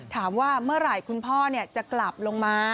ถามว่าเมื่อไหร่คุณพ่อจะกลับลงมา